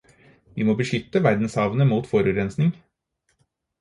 Vi må beskytte verdenshavene mot forurensning.